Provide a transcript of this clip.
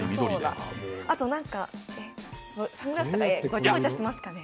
あとサングラスとかごちゃごちゃしていますかね。